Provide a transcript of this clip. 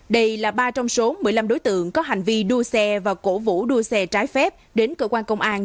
đây là ba trong số một mươi năm đối tượng có hành vi đua xe và cổ vũ đua xe trái phép đến cơ quan công an